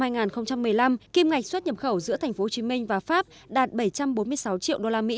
năm hai nghìn một mươi năm kim ngạch xuất nhập khẩu giữa tp hcm và pháp đạt bảy trăm bốn mươi sáu triệu usd